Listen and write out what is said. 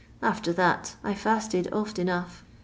After that I fiisted oft enough.